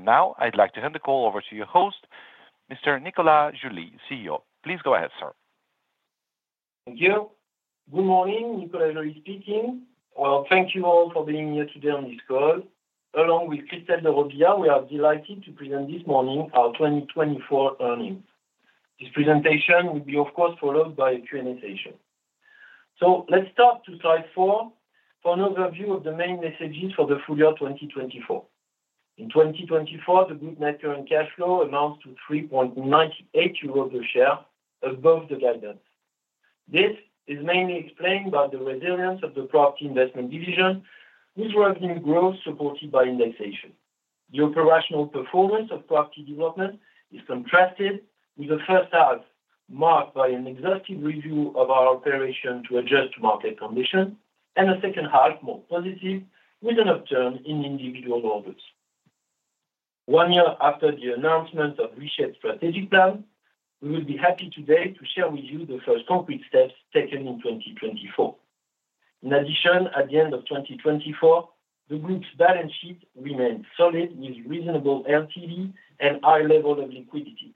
And now I'd like to hand the call over to your host, Mr. Nicolas Joly, CEO. Please go ahead, sir. Thank you. Good morning, Nicolas Joly speaking. Thank you all for being here today on this call. Along with Christelle de Robillard, we are delighted to present this morning our 2024 earnings. This presentation will be, of course, followed by a Q&A session. Let's start to slide four for an overview of the main messages for the full year 2024. In 2024, the group net current cash flow amounts to 3.98 euros per share, above the guidance. This is mainly explained by the resilience of the property investment division, whose revenue growth is supported by indexation. The operational performance of property development is contrasted with the first half, marked by an exhaustive review of our operation to adjust to market conditions, and the second half, more positive, with an upturn in individual orders. One year after the announcement of the Reshape strategic plan, we would be happy today to share with you the first concrete steps taken in 2024. In addition, at the end of 2024, the group's balance sheet remained solid, with reasonable LTV and a high level of liquidity.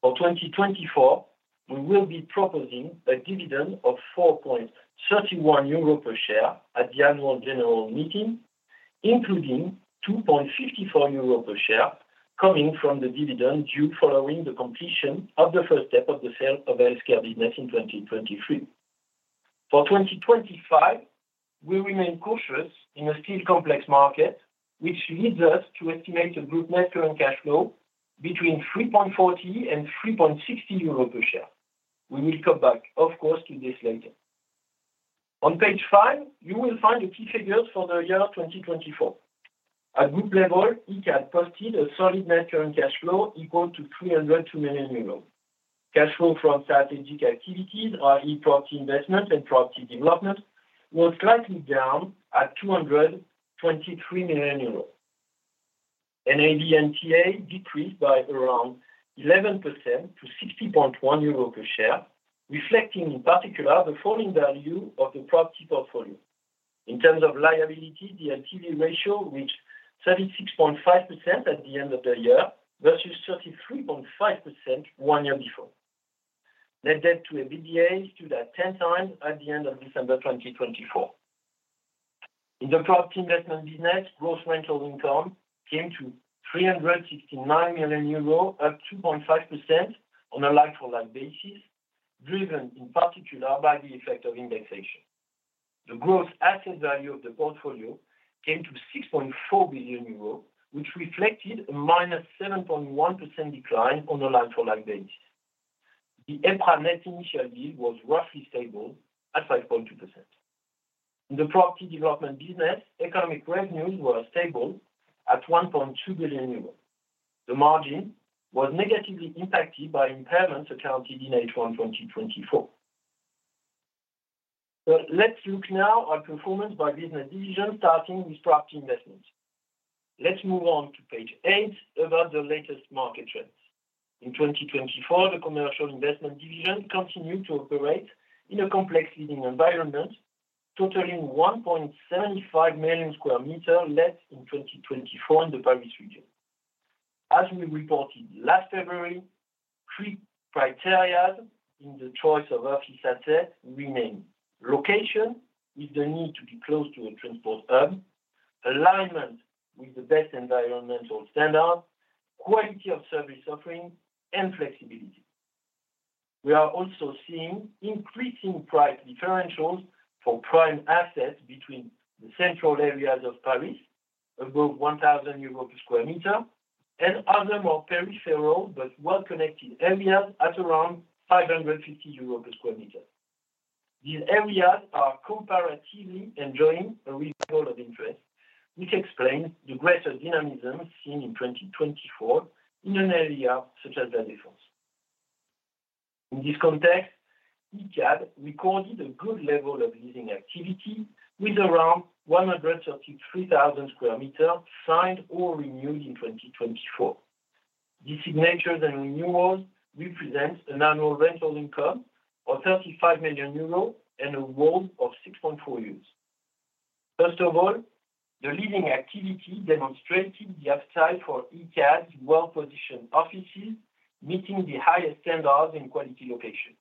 For 2024, we will be proposing a dividend of 4.31 euro per share at the annual general meeting, including 2.54 euro per share coming from the dividend due following the completion of the first step of the sale of healthcare business in 2023. For 2025, we remain cautious in a still complex market, which leads us to estimate a group net current cash flow between 3.40 and 3.60 euros per share. We will come back, of course, to this later. On page five, you will find the key figures for the year 2024. At group level, Icade posted a solid net current cash flow equal to 302 million euros. Cash flow from strategic activities, i.e., property investment and property development, was slightly down at 223 million euros. NAV and NTA decreased by around 11% to 60.1 euro per share, reflecting in particular the falling value of the property portfolio. In terms of liabilities, the LTV reached 36.5% at the end of the year versus 33.5% one year before. Net debt to EBITDA stood at 10 times at the end of December 2024. In the property investment business, gross rental income came to 369 million euros, up 2.5% on a like-for-like basis, driven in particular by the effect of indexation. The gross asset value of the portfolio came to 6.4 billion euros, which reflected a minus 7.1% decline on a like-for-like basis. The EPRA net initial yield was roughly stable at 5.2%. In the property development business, economic revenues were stable at 1.2 billion euros. The margin was negatively impacted by impairments accounted for in H1 2024. Let's look now at performance by business division, starting with property investment. Let's move on to page eight about the latest market trends. In 2024, the commercial investment division continued to operate in a complex market environment, totaling 1.75 million sq m let in 2024 in the Paris region. As we reported last February, three criteria in the choice of office assets remained: location, with the need to be close to a transport hub. Alignment with the best environmental standards. Quality of service offering. And flexibility. We are also seeing increasing price differentials for prime assets between the central areas of Paris, above 1,000 euros per sq m, and other more peripheral but well-connected areas at around 550 euros per sq m. These areas are comparatively enjoying a reasonable level of interest, which explains the greater dynamism seen in 2024 in an area such as La Défense. In this context, Icade recorded a good level of letting activity, with around 133,000 square meters signed or renewed in 2024. These signatures and renewals represent an annual rental income of 35 million euros and a WAULT of 6.4 years. First of all, the letting activity demonstrated the appetite for Icade's well-positioned offices, meeting the highest standards in quality location.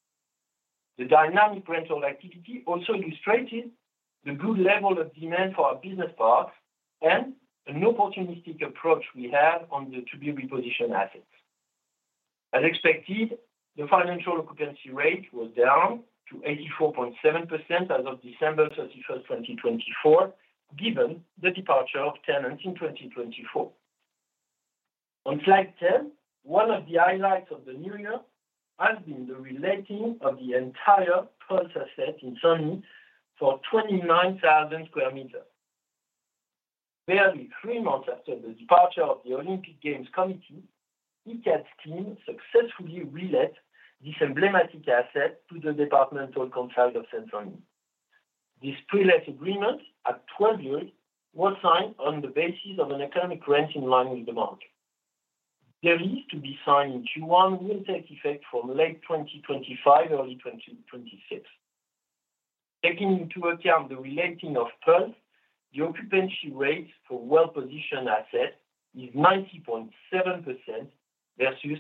The dynamic rental activity also illustrated the good level of demand for our business parks and an opportunistic approach we have on the to-be repositioned assets. As expected, the financial occupancy rate was down to 84.7% as of December 31, 2024, given the departure of tenants in 2024. On slide 10, one of the highlights of the new year has been the reletting of the entire Pulse asset in Saint-Denis for 29,000 square meters. Barely three months after the departure of the Olympic Games Committee, Icade's team successfully relet this emblematic asset to the departmental council of Seine-Saint-Denis. This pre-let agreement at 12 years was signed on the basis of an economic rent in line with the market. The lease to be signed in Q1 will take effect from late 2025, early 2026. Taking into account the reletting of Pulse, the occupancy rate for well-positioned assets is 90.7% versus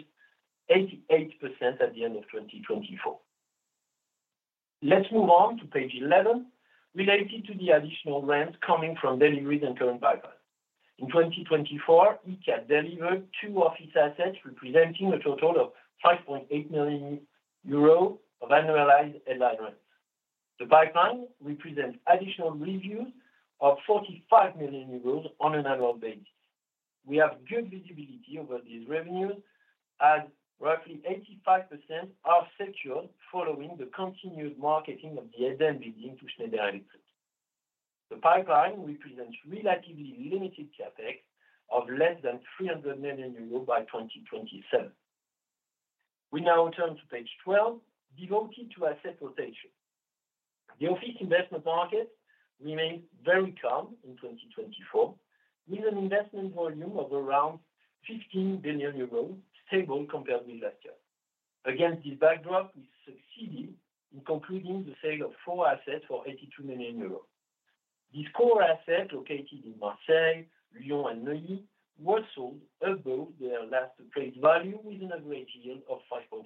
88% at the end of 2024. Let's move on to page 11, related to the additional rent coming from deliveries and current pipelines. In 2024, Icade delivered two office assets representing a total of 5.8 million euros of annualized headline rent. The pipeline represents additional revenues of 45 million euros on an annual basis. We have good visibility over these revenues, as roughly 85% are secured following the continued marketing of the Eden Building to Schneider Electric. The pipeline represents relatively limited CapEx of less than 300 million euros by 2027. We now turn to page 12, devoted to asset rotation. The office investment market remains very calm in 2024, with an investment volume of around 15 billion euros, stable compared with last year. Against this backdrop, we succeeded in concluding the sale of four assets for 82 million euros. These core assets, located in Marseille, Lyon, and Neuilly, were sold above their last appraised value, with an average yield of 5.8%.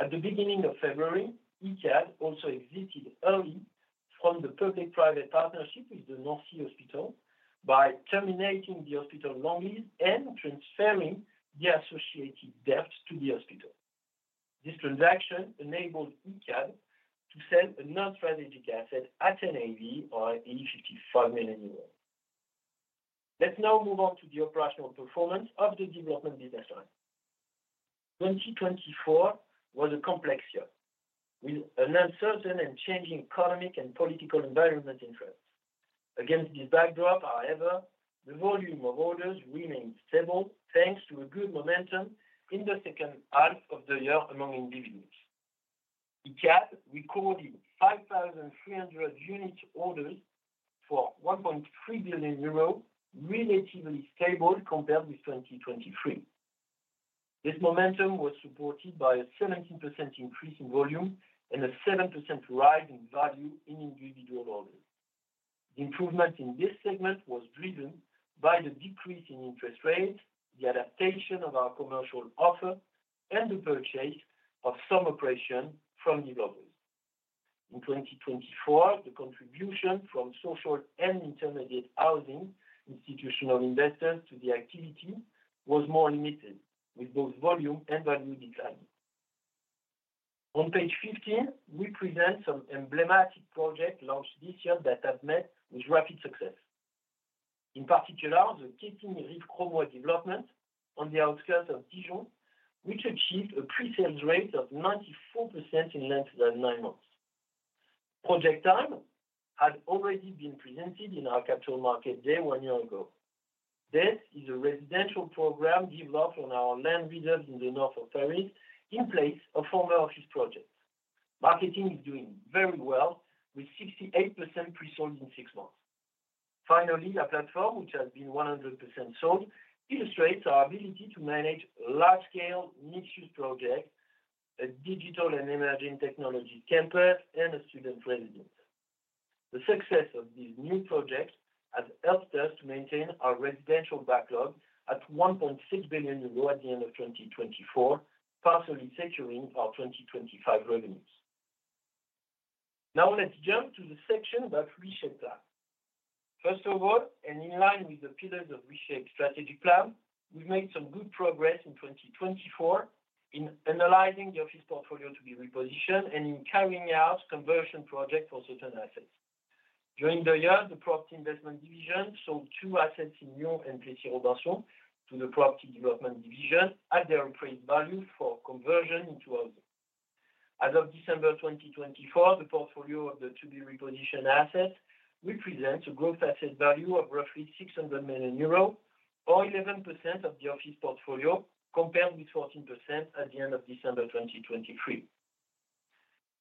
At the beginning of February, Icade also exited early from the public-private partnership with the Saint-Nazaire Hospital by terminating the hospital loan lease and transferring the associated debt to the hospital. This transaction enabled Icade to sell another strategic asset at NAV, or 55 million. Let's now move on to the operational performance of the development business line. 2024 was a complex year, with an uncertain and changing economic and political environment in France. Against this backdrop, however, the volume of orders remained stable, thanks to a good momentum in the second half of the year among individuals. Icade recorded 5,300 unit orders for 1.3 billion euros, relatively stable compared with 2023. This momentum was supported by a 17% increase in volume and a 7% rise in value in individual orders. The improvement in this segment was driven by the decrease in interest rates, the adaptation of our commercial offer, and the purchase of some operations from developers. In 2024, the contribution from social and intermediate housing institutional investors to the activity was more limited, with both volume and value declining. On page 15, we present some emblematic projects launched this year that have met with rapid success. In particular, the Quetigny-Rives-de-Cromois development on the outskirts of Dijon, which achieved a pre-sales rate of 94% in less than nine months. Project Time had already been presented in our Capital Markets Day one year ago. This is a residential program developed on our land reserves in the north of Paris, in place of former office projects. Marketing is doing very well, with 68% pre-sold in six months. Finally, a platform which has been 100% sold illustrates our ability to manage large-scale mixed-use projects, a digital and emerging technology campus, and a student residence. The success of these new projects has helped us to maintain our residential backlog at 1.6 billion euro at the end of 2024, partially securing our 2025 revenues. Now let's jump to the section about Reshape plan. First of all, and in line with the pillars of Reshape strategic plan, we've made some good progress in 2024 in analyzing the office portfolio to be repositioned and in carrying out conversion projects for certain assets. During the year, the property investment division sold two assets in Lyon and Le Plessis-Robinson to the property development division at their appraised value for conversion into housing. As of December 2024, the portfolio of the to-be repositioned assets represents a gross asset value of roughly €600 million, or 11% of the office portfolio, compared with 14% at the end of December 2023.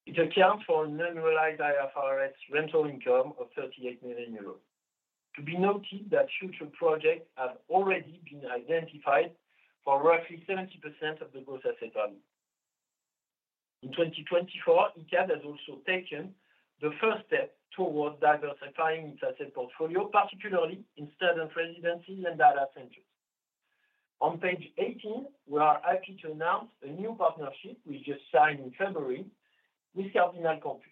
It accounts for an annualized IFRS rental income of €38 million. To be noted that future projects have already been identified for roughly 70% of the gross asset value. In 2024, Icade has also taken the first step towards diversifying its asset portfolio, particularly in student residences and data centers. On page 18, we are happy to announce a new partnership we just signed in February with Cardinal Campus.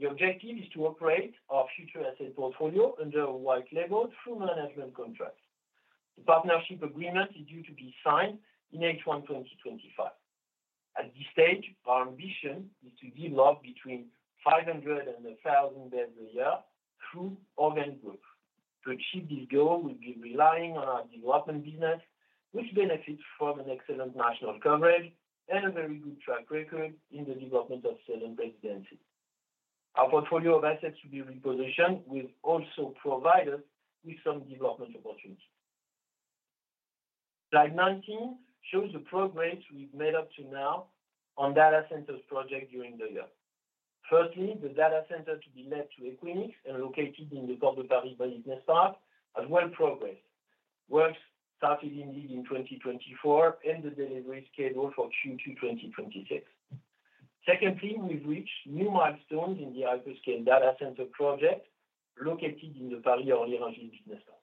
The objective is to operate our future asset portfolio under a white-label true management contract. The partnership agreement is due to be signed in H1 2025. At this stage, our ambition is to develop between 500 and 1,000 beds a year through Orven Group. To achieve this goal, we'll be relying on our development business, which benefits from excellent national coverage and a very good track record in the development of student residences. Our portfolio of assets will be repositioned, which also provides us with some development opportunities. Slide 19 shows the progress we've made up to now on data centers projects during the year. Firstly, the data center to be leased to Equinix and located in the Parc des Portes de Paris has well progressed. Work started indeed in 2024, and the delivery is scheduled for Q2 2026. Secondly, we've reached new milestones in the hyperscale data center project located in the Paris-Orly Rungis Business Park.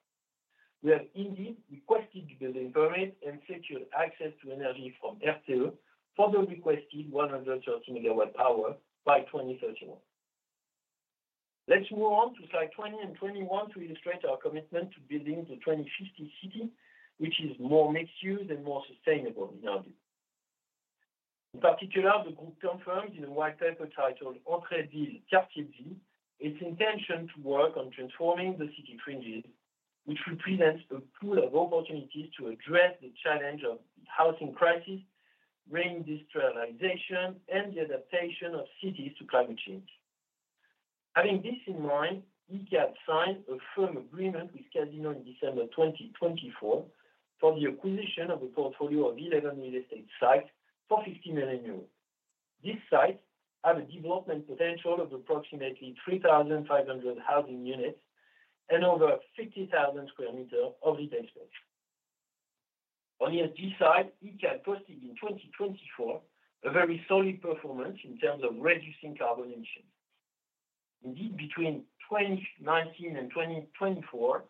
We have indeed requested the building permit and secured access to energy from RTE for the requested 130 megawatts by 2031. Let's move on to slide 20 and 21 to illustrate our commitment to building the 2050 city, which is more mixed-use and more sustainable in our view. In particular, the group confirms in a white paper titled "Entre Villes, Quartiers Vis," its intention to work on transforming the city fringes, which represents a pool of opportunities to address the challenge of the housing crisis, rain disturbances, and the adaptation of cities to climate change. Having this in mind, Icade signed a firm agreement with Casino in December 2024 for the acquisition of a portfolio of 11 real estate sites for 50 million euros. These sites have a development potential of approximately 3,500 housing units and over 50,000 square meters of retail space. On the SG side, Icade posted in 2024 a very solid performance in terms of reducing carbon emissions. Indeed, between 2019 and 2024,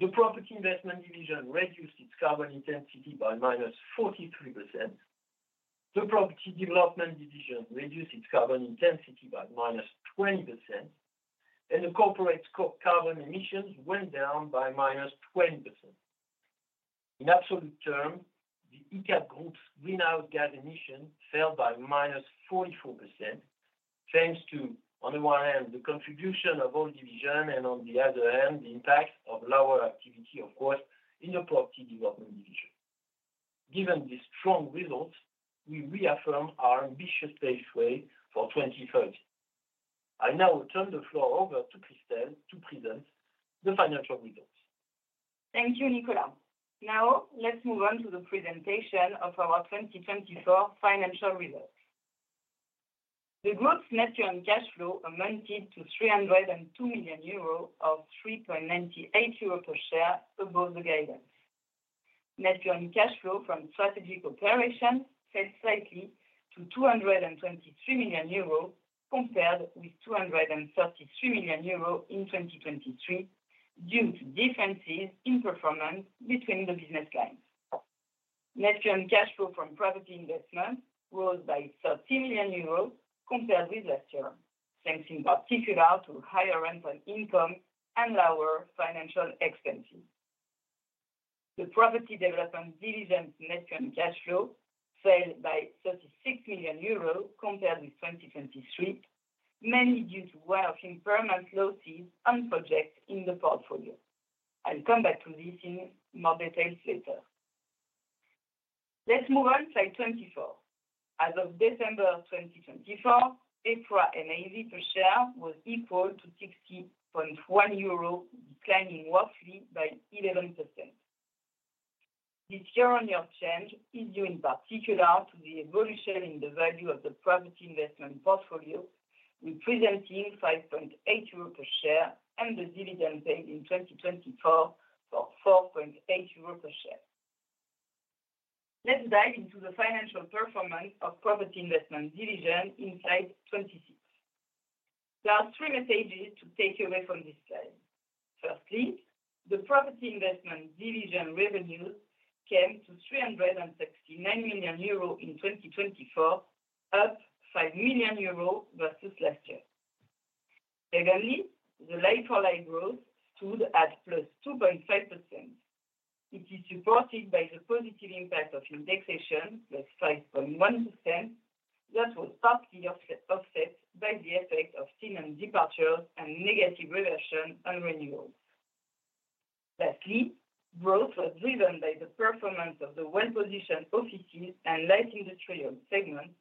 the property investment division reduced its carbon intensity by -43%. The property development division reduced its carbon intensity by -20%, and the corporate carbon emissions went down by -20%. In absolute terms, the Icade Group's greenhouse gas emissions fell by -44%, thanks to, on the one hand, the contribution of all divisions, and on the other hand, the impact of lower activity, of course, in the property development division. Given these strong results, we reaffirm our ambitious pace for 2030. I now turn the floor over to Christelle to present the financial results. Thank you, Nicolas. Now, let's move on to the presentation of our 2024 financial results. The group's Net Current Cash Flow amounted to 302 million euros, or 3.98 euros per share, above the guidance. Net Current Cash Flow from strategic operations fell slightly to 223 million euros compared with 233 million euros in 2023, due to differences in performance between the business lines. Net Current Cash Flow from property investment rose by 30 million euros compared with last year, thanks in particular to higher rental income and lower financial expenses. The Property Development Division's Net Current Cash Flow fell by 36 million euros compared with 2023, mainly due to write-off of impairment losses on projects in the portfolio. I'll come back to this in more details later. Let's move on to slide 24. As of December 2024, EPRA NAV per share was equal to 60.1 euro, declining roughly by 11%. This year-on-year change is due in particular to the evolution in the value of the property investment portfolio, representing 5.8 euros per share, and the dividend paid in 2024 for 4.8 euros per share. Let's dive into the financial performance of Property Investment Division in slide 26. There are three messages to take away from this slide. Firstly, the Property Investment Division revenues came to 369 million euros in 2024, up 5 million euros versus last year. Secondly, the like-for-like growth stood at plus 2.5%. It is supported by the positive impact of indexation, plus 5.1%, that was partly offset by the effect of tenant departures and negative reversion on renewals. Lastly, growth was driven by the performance of the well-positioned offices and light industrial segments,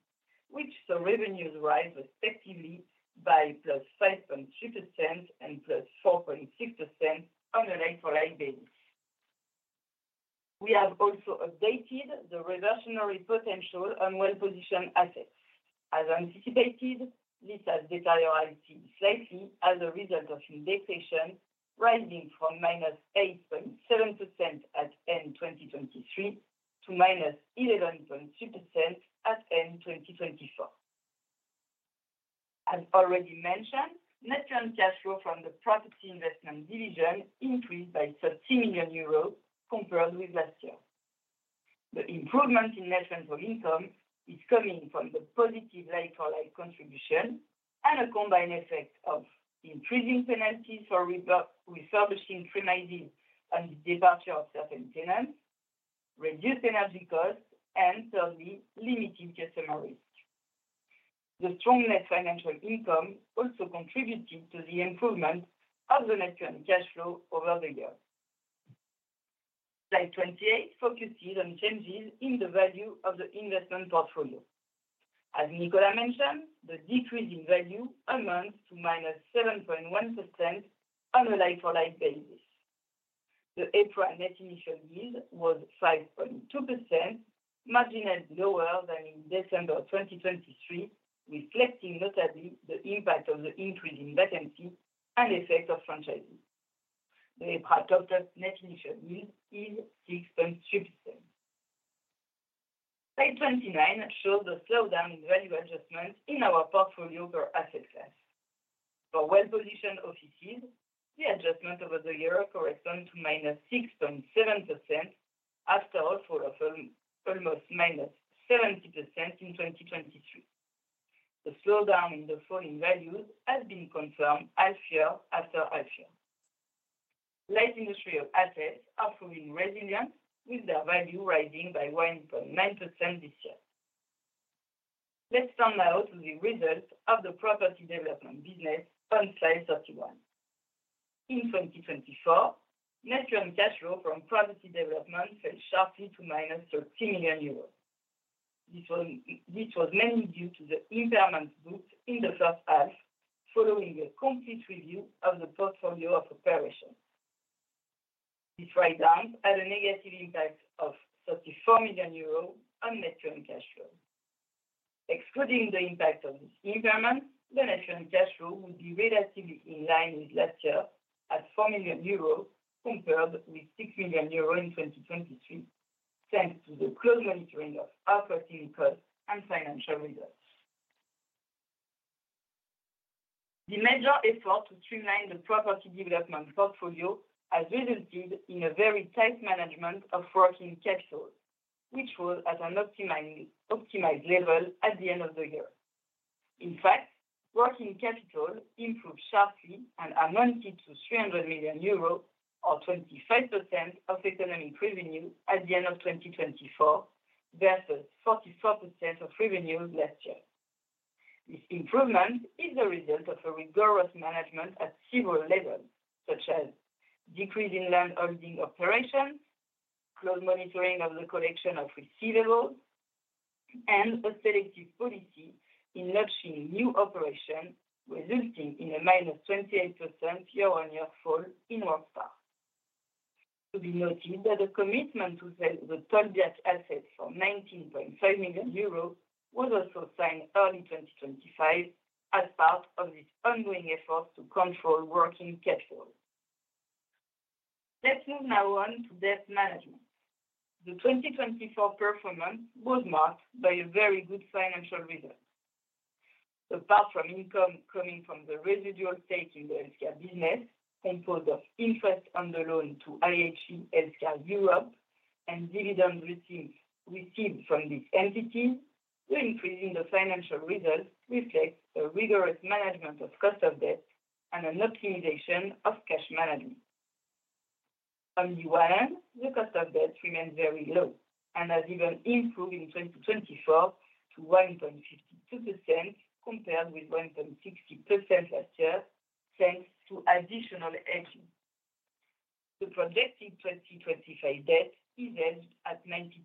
which saw revenues rise respectively by +5.3% and +4.6% on a live-for-live basis. We have also updated the reversionary potential on well-positioned assets. As anticipated, this has deteriorated slightly as a result of indexation rising from -8.7% at end 2023 to -11.2% at end 2024. As already mentioned, net current cash flow from the property investment division increased by 30 million euros compared with last year. The improvement in net rental income is coming from the positive live-for-live contribution and a combined effect of increasing penalties for refurbishing premises and the departure of certain tenants, reduced energy costs, and thirdly, limited customer risk. The strong net financial income also contributed to the improvement of the net current cash flow over the year. Slide 28 focuses on changes in the value of the investment portfolio. As Nicolas mentioned, the decrease in value amounts to minus 7.1% on a like-for-like basis. The EPRA net initial yield was 5.2%, marginally lower than in December 2023, reflecting notably the impact of the increase in vacancy and effect of franchising. The EPRA total net initial yield is 6.3%. Slide 29 shows the slowdown in value adjustment in our portfolio per asset class. For well-positioned offices, the adjustment over the year corresponds to minus 6.7% after a fall of almost minus 7.0% in 2023. The slowdown in the falling values has been confirmed half year after half year. Light industrial assets are proving resilient, with their value rising by 1.9% this year. Let's turn now to the results of the property development business on slide 31. In 2024, net current cash flow from property development fell sharply to minus 30 million euros. This was mainly due to the impairment booked in the first half following a complete review of the portfolio of operations. This write-down had a negative impact of 34 million euros on net current cash flow. Excluding the impact of this impairment, the net current cash flow would be relatively in line with last year at 4 million euros compared with 6 million euros in 2023, thanks to the close monitoring of operating costs and financial results. The major effort to streamline the property development portfolio has resulted in a very tight management of working capital, which was at an optimized level at the end of the year. In fact, working capital improved sharply and amounted to 300 million euros, or 25% of economic revenue at the end of 2024 versus 44% of revenues last year. This improvement is the result of a rigorous management at several levels, such as decrease in land holding operations, close monitoring of the collection of receivables, and a selective policy in nudging new operations, resulting in a minus 28% year-on-year fall in work stock. To be noted that the commitment to sell the Tolbiac assets for 19.5 million euros was also signed early 2025 as part of this ongoing effort to control working capital. Let's move now on to debt management. The 2024 performance was marked by a very good financial result. Apart from income coming from the residual stake in the healthcare business, composed of interest on the loan to Icade Healthcare Europe and dividend receipts received from these entities, the increase in the financial result reflects a rigorous management of cost of debt and an optimization of cash management. On the one hand, the cost of debt remained very low and has even improved in 2024 to 1.52% compared with 1.60% last year, thanks to additional hedging. The projected 2025 debt is hedged at 92%.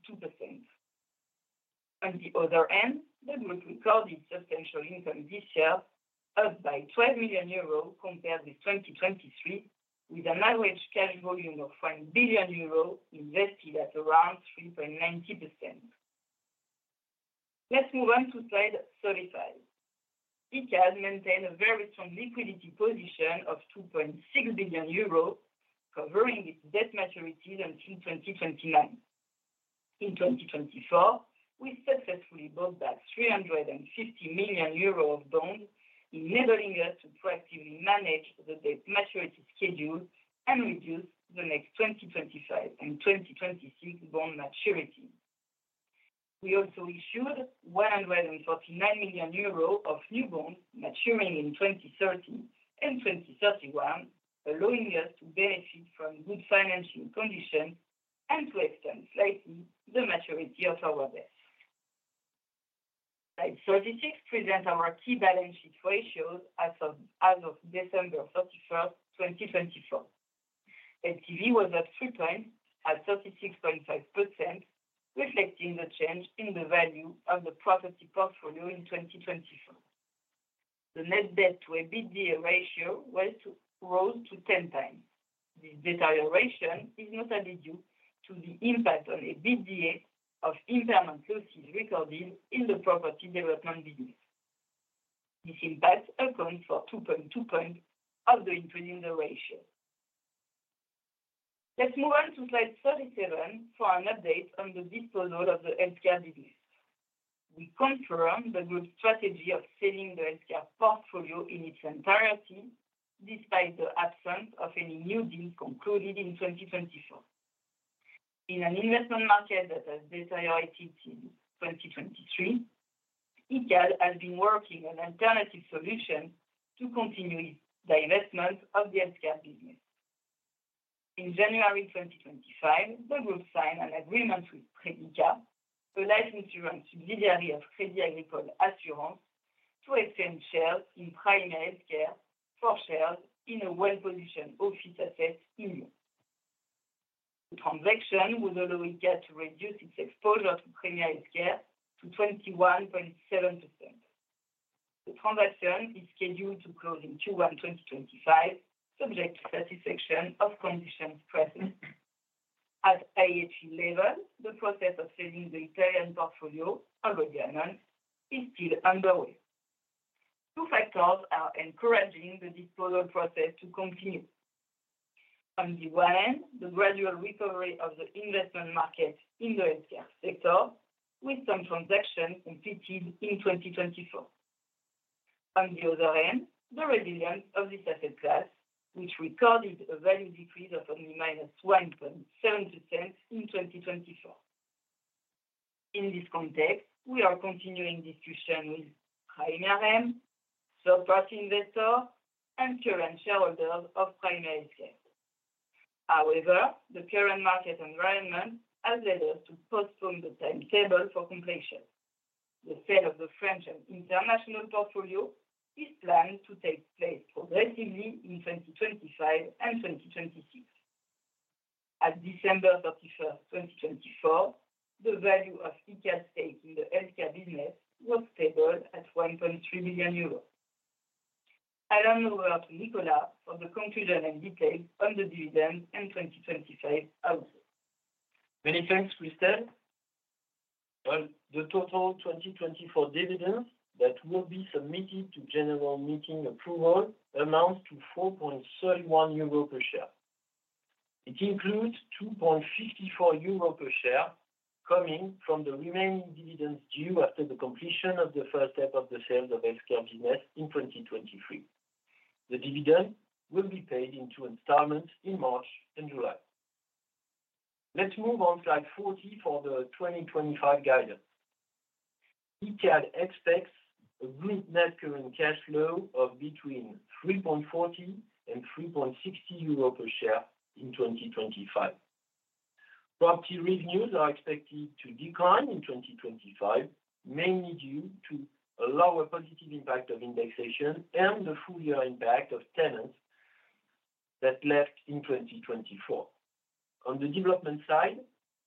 On the other hand, the group recorded substantial income this year, up by 12 million euros compared with 2023, with an average cash volume of 1 billion euros invested at around 3.90%. Let's move on to slide 35. Icade maintained a very strong liquidity position of 2.6 billion euros, covering its debt maturities until 2029. In 2024, we successfully bought back 350 million euros of bonds, enabling us to proactively manage the debt maturity schedule and reduce the next 2025 and 2026 bond maturities. We also issued 149 million euros of new bonds maturing in 2029 and 2031, allowing us to benefit from good financing conditions and to extend slightly the maturity of our debts. Slide 36 presents our key balance sheet ratios as of December 31, 2024. LTV was at three times at 36.5%, reflecting the change in the value of the property portfolio in 2024. The net debt to EBITDA ratio rose to 10 times. This deterioration is notably due to the impact on EBITDA of impairment losses recorded in the property development business. This impact accounts for 2.2% of the increase in the ratio. Let's move on to slide 37 for an update on the disposal of the healthcare business. We confirm the group's strategy of selling the healthcare portfolio in its entirety, despite the absence of any new deals concluded in 2024. In an investment market that has deteriorated since 2023, Icade has been working on alternative solutions to continue the investment of the healthcare business. In January 2025, the group signed an agreement with Predica, a life insurance subsidiary of Crédit Agricole Assurances, to exchange shares in IHE for shares in a well-positioned office asset in Europe. The transaction would allow Icade to reduce its exposure to IHE to 21.7%. The transaction is scheduled to close in Q1 2025, subject to satisfaction of conditions precedent. At IHE level, the process of selling the Italian portfolio, already announced, is still underway. Two factors are encouraging the disposal process to continue. On the one hand, the gradual recovery of the investment market in the healthcare sector, with some transactions completed in 2024. On the other hand, the resilience of this asset class, which recorded a value decrease of only -1.7% in 2024. In this context, we are continuing discussions with Primonial, third-party investors, and current shareholders of IHE. However, the current market environment has led us to postpone the timetable for completion. The sale of the French and international portfolio is planned to take place progressively in 2025 and 2026. At December 31, 2024, the value of Icade's stake in the healthcare business was stable at €1.3 billion. I'll hand over to Nicolas for the conclusion and details on the dividends and 2025 outlook. Many thanks, Christelle. The total 2024 dividends that will be submitted to general meeting approval amounts to €4.31 per share. It includes €2.54 per share coming from the remaining dividends due after the completion of the first half of the sales of healthcare business in 2023. The dividend will be paid into installments in March and July. Let's move on to slide 40 for the 2025 guidance. Icade expects a group net current cash flow of between €3.40 and €3.60 per share in 2025. Property revenues are expected to decline in 2025, mainly due to a lower positive impact of indexation and the full year impact of tenants that left in 2024. On the development side,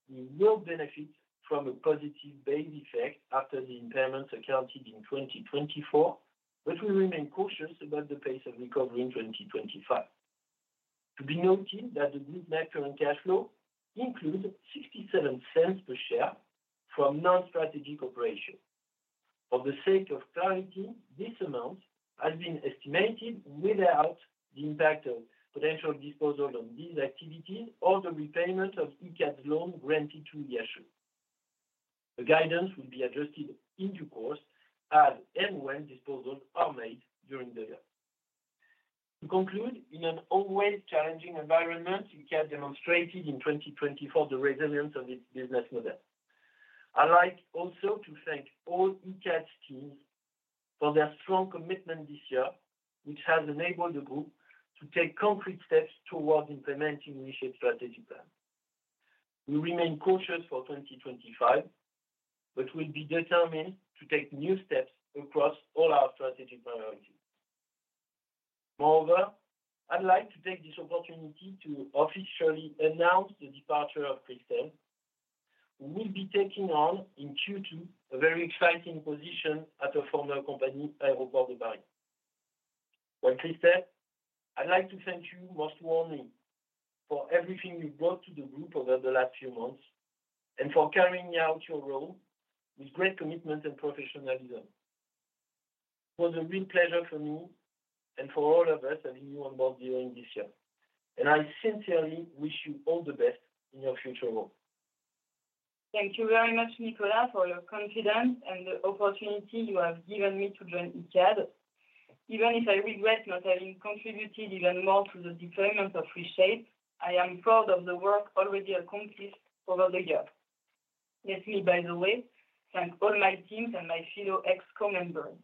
we will benefit from a positive base effect after the impairments accounted in 2024, but we remain cautious about the pace of recovery in 2025. To be noted that the group net current cash flow includes 0.67 per share from non-strategic operations. For the sake of clarity, this amount has been estimated without the impact of potential disposal on these activities or the repayment of Icade's loan granted to Liasche. The guidance will be adjusted in due course as and when disposals are made during the year. To conclude, in an always challenging environment, Icade demonstrated in 2024 the resilience of its business model. I'd like also to thank all Icade's teams for their strong commitment this year, which has enabled the group to take concrete steps towards implementing the initial strategy plan. We remain cautious for 2025, but we'll be determined to take new steps across all our strategic priorities. Moreover, I'd like to take this opportunity to officially announce the departure of Christelle, who will be taking on in Q2 a very exciting position at her former company, Aéroports de Paris. Christelle, I'd like to thank you most warmly for everything you've brought to the group over the last few months and for carrying out your role with great commitment and professionalism. It was a real pleasure for me and for all of us having you on board during this year, and I sincerely wish you all the best in your future role. Thank you very much, Nicolas, for your confidence and the opportunity you have given me to join Icade. Even if I regret not having contributed even more to the deployment of Reshape, I am proud of the work already accomplished over the year. Let me, by the way, thank all my teams and my fellow exco members.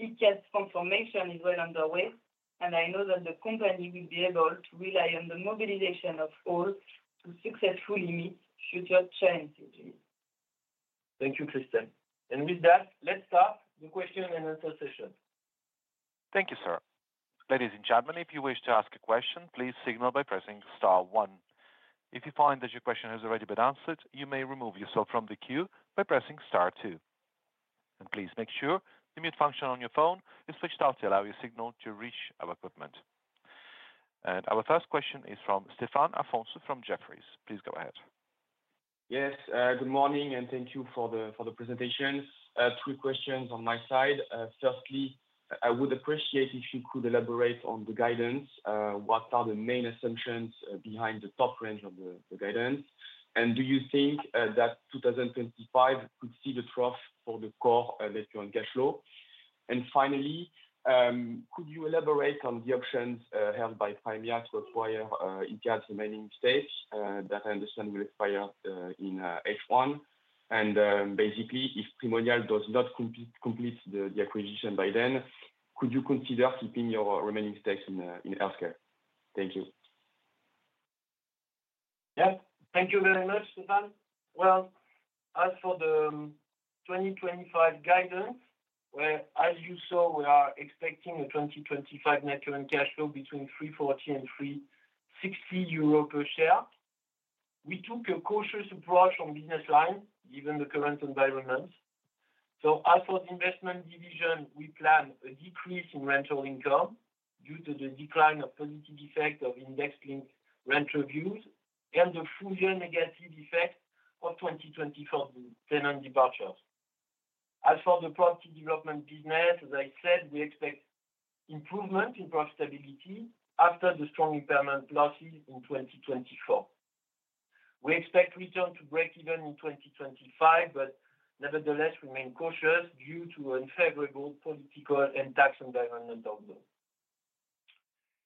Icade's transformation is well underway, and I know that the company will be able to rely on the mobilization of all to successfully meet future challenges. Thank you, Christelle. And with that, let's start the question and answer session. Thank you, sir. Ladies and gentlemen, if you wish to ask a question, please signal by pressing Star 1. If you find that your question has already been answered, you may remove yourself from the queue by pressing Star 2. Please make sure the mute function on your phone is switched off to allow your signal to reach our equipment. Our first question is from Stéphane Afonso from Jefferies. Please go ahead. Yes, good morning, and thank you for the presentation. Three questions on my side. Firstly, I would appreciate if you could elaborate on the guidance. What are the main assumptions behind the top range of the guidance? And do you think that 2025 could see the trough for the core net current cash flow? And finally, could you elaborate on the options held by Primonial to acquire Icade's remaining stakes that I understand will expire in H1? And basically, if Primonial does not complete the acquisition by then, could you consider keeping your remaining stakes in healthcare? Thank you. Yep, thank you very much, Stéphane. As for the 2025 guidance, as you saw, we are expecting a 2025 Net Current Cash Flow between 340 and 360 euro per share. We took a cautious approach on business lines given the current environment. As for the investment division, we plan a decrease in rental income due to the decline of positive effect of index-linked rental reviews and the full year negative effect of 2024 tenant departures. As for the property development business, as I said, we expect improvement in profitability after the strong impairment losses in 2024. We expect return to breakeven in 2025, but nevertheless, remain cautious due to unfavorable political and tax environment globally.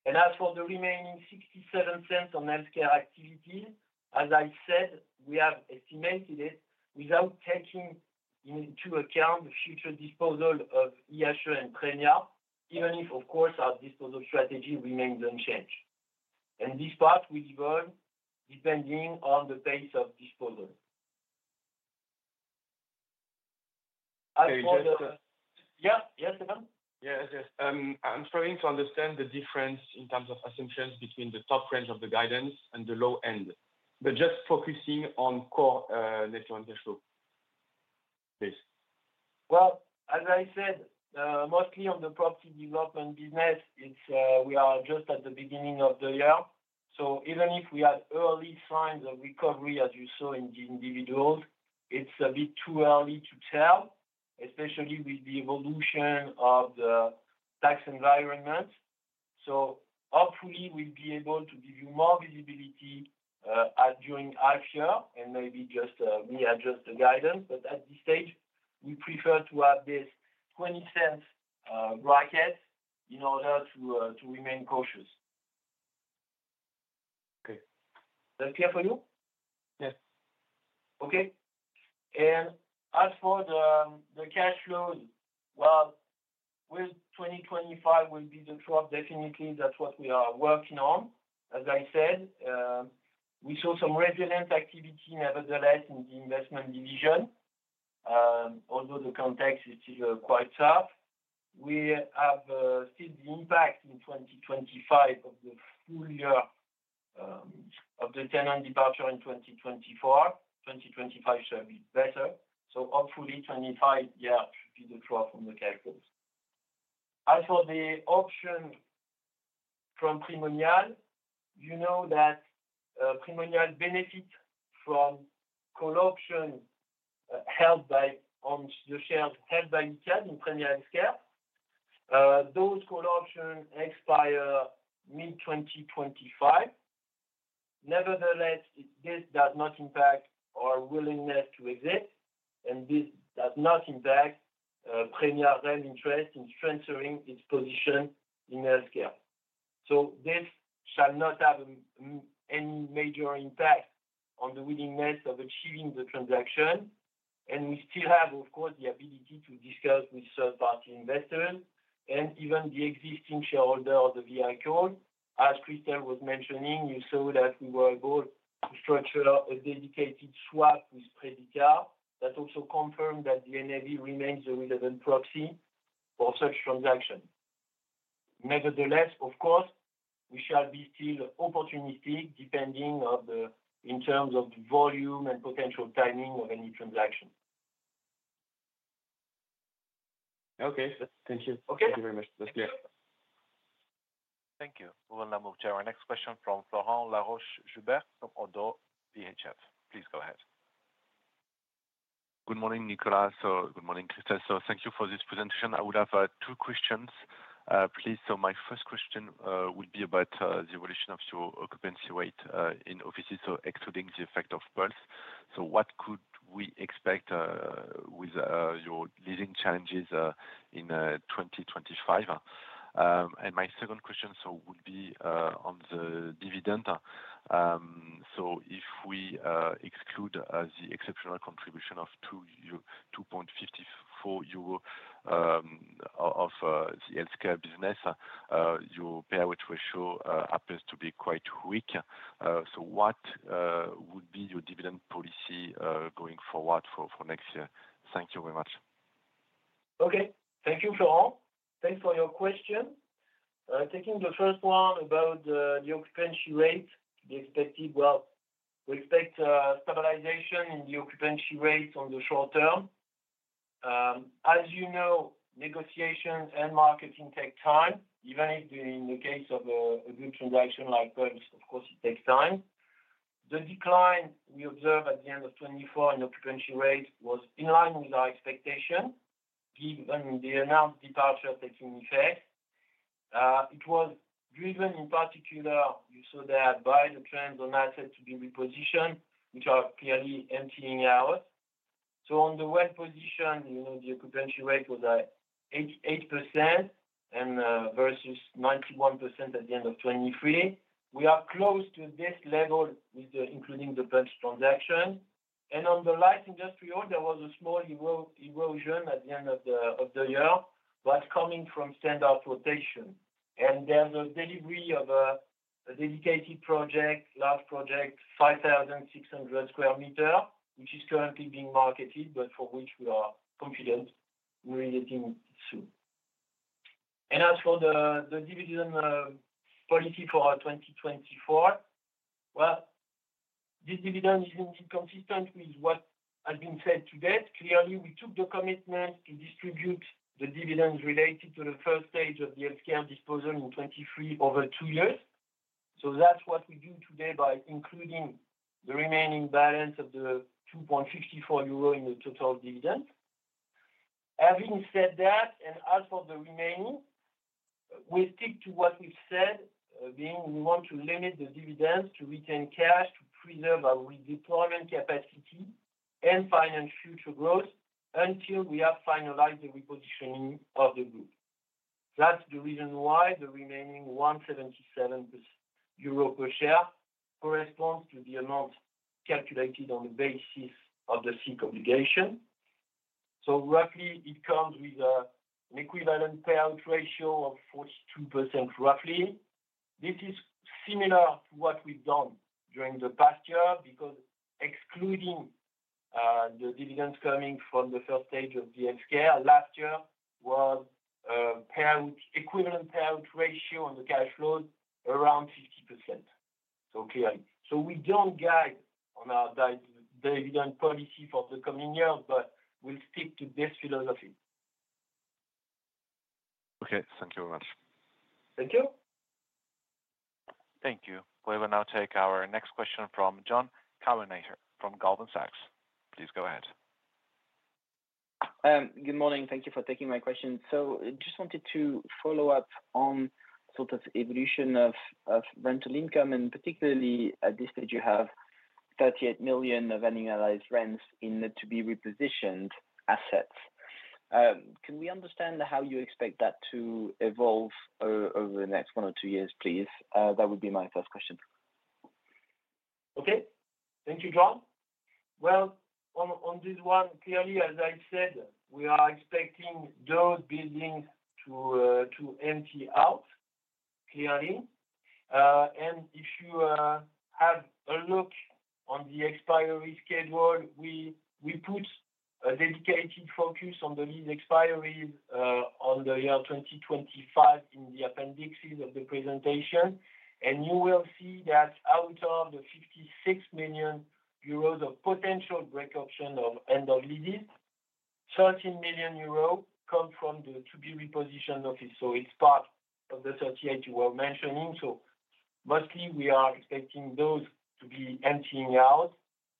As for the remaining 0.67 on healthcare activities, as I said, we have estimated it without taking into account the future disposal of Liasche and Premiere, even if, of course, our disposal strategy remains unchanged. And this part will evolve depending on the pace of disposal. As for the. Yeah, yes, Stéphane? Yeah, yes. I'm trying to understand the difference in terms of assumptions between the top range of the guidance and the low end, but just focusing on core net current cash flow. Please. Well, as I said, mostly on the property development business, we are just at the beginning of the year. So even if we had early signs of recovery, as you saw in the individuals, it's a bit too early to tell, especially with the evolution of the tax environment. So hopefully, we'll be able to give you more visibility during half year and maybe just readjust the guidance. But at this stage, we prefer to have this 0.20 bracket in order to remain cautious. Okay. That's clear for you? Yes. Okay. As for the cash flows, well, with 2025 will be the trough, definitely, that's what we are working on. As I said, we saw some resilience activity nevertheless in the investment division, although the context is still quite tough. We have still the impact in 2025 of the full year of the tenant departure in 2024. 2025 should be better. Hopefully, 2025, yeah, should be the trough on the cash flows. As for the option from Primonial, you know that Primonial benefits from co-options held by the shares held by Icade in IHE. Those co-options expire mid-2025. Nevertheless, this does not impact our willingness to exit, and this does not impact Primonial REIM interest in strengthening its position in healthcare. This shall not have any major impact on the willingness of achieving the transaction. And we still have, of course, the ability to discuss with third-party investors and even the existing shareholders of the vehicle. As Christelle was mentioning, you saw that we were able to structure a dedicated swap with Predica that also confirmed that the NAV remains the relevant proxy for such transactions. Nevertheless, of course, we shall be still opportunistic depending on the in terms of the volume and potential timing of any transaction. Okay. Thank you. Thank you very much. That's clear. Thank you. We will now move to our next question from Florent Laroche-Joubert from Oddo BHF. Please go ahead. Good morning, Nicolas. So good morning, Christelle. So thank you for this presentation. I would have two questions, please. So my first question would be about the evolution of your occupancy rate in offices, so excluding the effect of burns. So what could we expect with your leading challenges in 2025? And my second question would be on the dividend. So if we exclude the exceptional contribution of 2.54 euro of the healthcare business, your payout ratio happens to be quite weak. So what would be your dividend policy going forward for next year? Thank you very much. Okay. Thank you, Florent. Thanks for your question. Taking the first one about the occupancy rate, the expected, well, we expect stabilization in the occupancy rate on the short term. As you know, negotiations and marketing take time, even if in the case of a good transaction like BNP's, of course, it takes time. The decline we observed at the end of 2024 in occupancy rate was in line with our expectation, given the announced departure taking effect. It was driven in particular. You saw that by the trends on assets to be repositioned, which are clearly emptying out. The occupancy rate on the well-positioned was at 88% versus 91% at the end of 2023. We are close to this level including the burns transaction. On the light industrial, there was a small erosion at the end of the year, but coming from tenant rotation. There's a delivery of a dedicated project, large project, 5,600 sq m, which is currently being marketed, but for which we are confident we're letting soon. As for the dividend policy for 2024, this dividend is indeed consistent with what has been said today. We took the commitment to distribute the dividends related to the first stage of the healthcare disposal in 2023 over two years. That's what we do today by including the remaining balance of the 2.54 euro in the total dividend. Having said that, and as for the remaining, we stick to what we've said, being we want to limit the dividends to retain cash to preserve our redeployment capacity and finance future growth until we have finalized the repositioning of the group. That's the reason why the remaining 177 euro per share corresponds to the amount calculated on the basis of the SIIC obligation. So roughly, it comes with an equivalent payout ratio of 42% roughly. This is similar to what we've done during the past year because excluding the dividends coming from the first stage of the healthcare, last year was equivalent payout ratio on the cash flows around 50%. So clearly. So we don't guide on our dividend policy for the coming year, but we'll stick to this philosophy. Okay. Thank you very much. Thank you. Thank you. We will now take our next question from Jonathan Kownator from Goldman Sachs. Please go ahead. Good morning. Thank you for taking my question. So I just wanted to follow up on sort of evolution of rental income, and particularly at this stage, you have 38 million of annualized rents in net to be repositioned assets. Can we understand how you expect that to evolve over the next one or two years, please? That would be my first question. Okay. Thank you, Jonathan. Well, on this one, clearly, as I said, we are expecting those buildings to empty out clearly. And if you have a look on the expiry schedule, we put a dedicated focus on the lease expiries on the year 2025 in the appendices of the presentation. You will see that out of the 56 million euros of potential break option of end-of-leases, 13 million euros come from the to be repositioned office. It's part of the 38 you were mentioning. Mostly, we are expecting those to be emptying out,